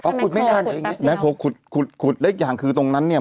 อ๋อขุดไม่ทันแป๊บเดียวขุดขุดขุดเล็กอย่างคือตรงนั้นเนี่ย